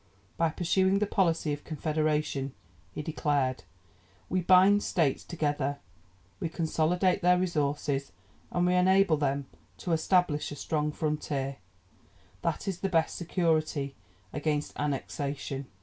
"By pursuing the policy of Confederation," he declared, "we bind states together, we consolidate their resources, and we enable them to establish a strong frontier, that is the best security against annexation."